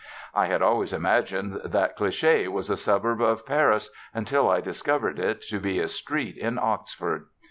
I had always imagined that Cliché was a suburb of Paris, until I discovered it to be a street in Oxford.